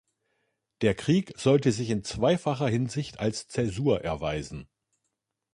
Der Krieg sollte sich in zweifacher Hinsicht als Zäsur erweisen.